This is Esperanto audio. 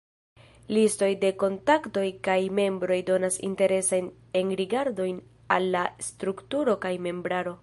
Listoj de kontaktoj kaj membroj donas interesajn enrigardojn al la strukturo kaj membraro.